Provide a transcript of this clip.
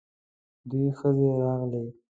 دوې ښځې راغلې.